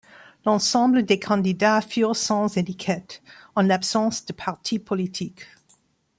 L'ensemble des candidats furent sans étiquette, en l'absence de partis politiques.